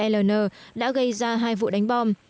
ln đã gây ra hai vụ đánh bom